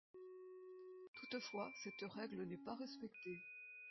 Toutefois cette règle n'est pas respectée.